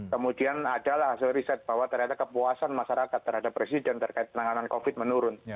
kemudian adalah hasil riset bahwa ternyata kepuasan masyarakat terhadap presiden terkait penanganan covid menurun